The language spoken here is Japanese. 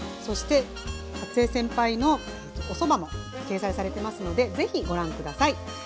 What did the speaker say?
そして初江先輩のおそばも掲載されてますのでぜひご覧下さい。